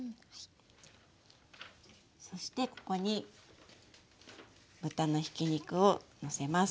そしてここに豚のひき肉をのせます。